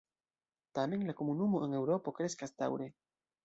Tamen, la komunumo en Eŭropo kreskas daŭre.